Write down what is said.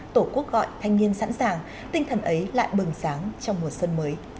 tổ quốc gọi thanh niên sẵn sàng tinh thần ấy lại bừng sáng trong mùa xuân mới